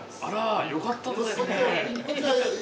あらよかったですね。